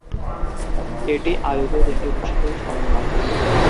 এটি আদতে তিনটি পোশাকের সমন্বয়।